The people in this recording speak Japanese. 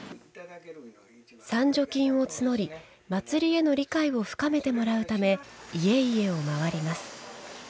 賛助金を募り祭りへの理解を深めてもらうため家々を回ります。